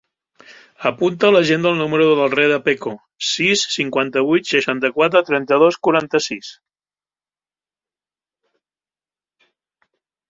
Apunta a l'agenda el número del Reda Peco: sis, cinquanta-vuit, seixanta-quatre, trenta-dos, quaranta-sis.